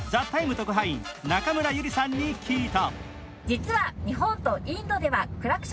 特派員中村ゆりさんに聞いた。